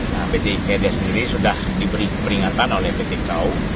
nah pt ikd sendiri sudah diberi peringatan oleh pt kau